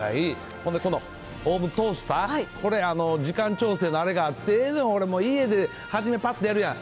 ほんでこのオーブントースター、これ、時間調整のあれがええねん、これ、家で初め、ぱっとやるやん。